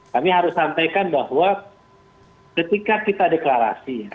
kami harus sampaikan bahwa ketika kita deklarasi ya